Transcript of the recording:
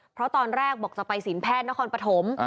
เพราะตอนแรกบอกจะไปศีลแพทย์นครปฐม